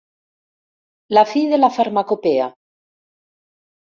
La fi de la farmacopea.